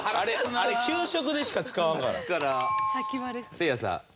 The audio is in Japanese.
せいやさん。